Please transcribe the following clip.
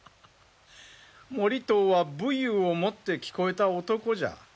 盛遠は武勇をもって聞こえた男じゃ。